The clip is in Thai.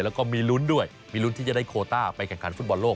แล้วก็มีลุ้นด้วยมีลุ้นที่จะได้โคต้าไปแข่งขันฟุตบอลโลก